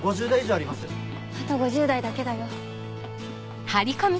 あと５０台だけだよ。